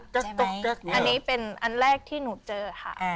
ใช่ค่ะใช่ไหมอันนี้เป็นอันแรกที่หนูเจอค่ะอ่า